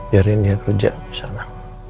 biarin dia kerja di sana